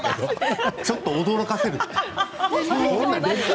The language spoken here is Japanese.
ちょっと驚かせる。